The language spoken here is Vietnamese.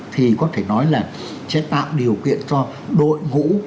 thì có thể nói là sẽ tạo điều kiện cho đội ngũ